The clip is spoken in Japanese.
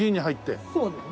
そうですね。